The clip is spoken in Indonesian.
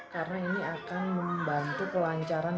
karena ini akan membantu pelancaran